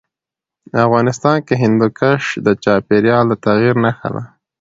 افغانستان کې هندوکش د چاپېریال د تغیر نښه ده.